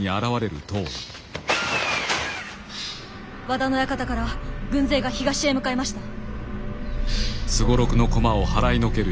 和田の館から軍勢が東へ向かいました。